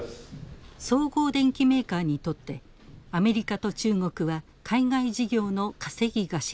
総合電機メーカーにとってアメリカと中国は海外事業の稼ぎ頭。